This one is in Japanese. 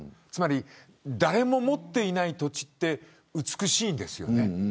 誰も持っていない土地って美しいんです。